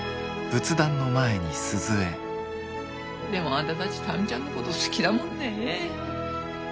でもあんたたち民ちゃんのこと好きだもんねえ。